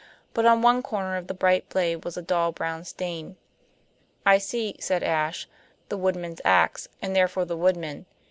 But on one corner of the bright blade was a dull brown stain. "I see," said Ashe, "the woodman's ax, and therefore the Woodman.